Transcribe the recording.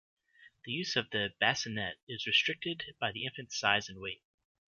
The use of the bassinet is restricted by the infant's size and weight.